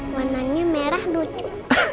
warnanya merah lucu